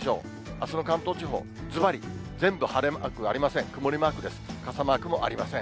あすの関東地方、ずばり、全部晴れマークがありません。